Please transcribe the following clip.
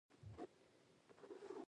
پیاله د شپو ملګرې ده.